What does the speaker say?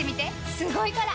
すごいから！